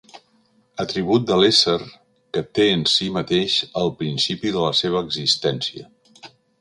Atribut de l'ésser que té en si mateix el principi de la seva existència.